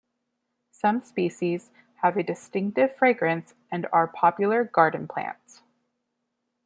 Some species have a distinctive fragrance and are popular garden plants.